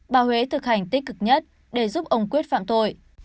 bà huế thực hành tích cực nhất để giúp ông quyết phạm tội